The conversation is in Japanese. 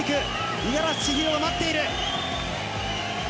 五十嵐千尋が待っている。